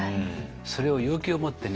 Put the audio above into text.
それを勇気を持ってね